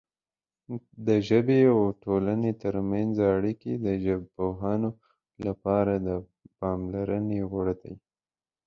د ژبې او ټولنې ترمنځ اړیکې د ژبپوهانو لپاره د پاملرنې وړ دي.